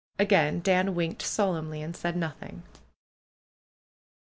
Again Dan winked solemnly, and said nothing.